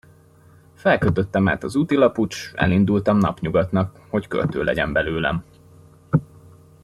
Felkötöttem hát az útilaput, s elindultam napnyugatnak, hogy költő legyen belőlem.